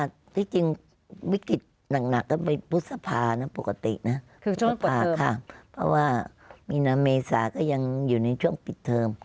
ที่จริงวิกฤตหนักก็ไปพฤษภานะปกตินะเพราะว่ามีนาเมษาก็ยังอยู่ในช่วงปิดเทอม